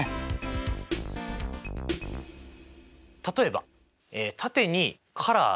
例えば縦にカラー７色。